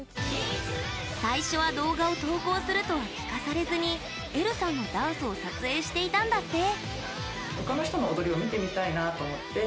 最初は動画を投稿するとは聞かされずにえるさんのダンスを撮影していたんだって。